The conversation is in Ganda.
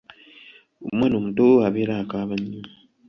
Omwana omuto abeera akaaba nnyo.